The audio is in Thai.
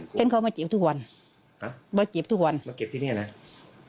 เพราะฉะนั้นเขามาเก็บทุกวันฮะมาเก็บทุกวันมาเก็บที่นี่อะไร